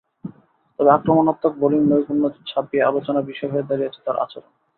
তবে আক্রমণাত্মক বোলিং নৈপুণ্য ছাপিয়ে আলোচনার বিষয় হয়ে দাঁড়িয়েছে তাঁর আচরণ।